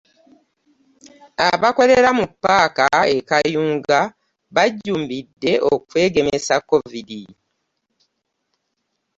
Abakolera mu ppaaka e Kayunga bajjumbidde okwegemesa Covid.